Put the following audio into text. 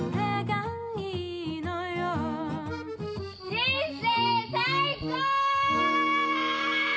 人生最高！